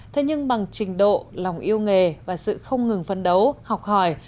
thế nhưng bằng trình độ lòng yêu nghề và sự không ngừng phân đấu học hỏi